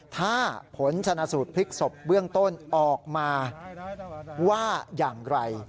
ถ้าผลชนะสูตรพลิกศพเบื้องต้นออกมาว่าอย่างไร